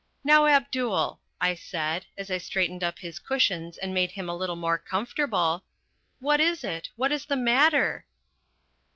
"Now, Abdul," I said, as I straightened up his cushions and made him a little more comfortable, "what is it? What is the matter?"